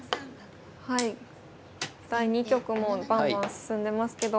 はい第２局もバンバン進んでますけど。